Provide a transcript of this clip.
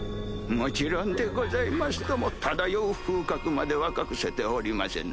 もちろんでございますとも漂う風格までは隠せておりませぬ。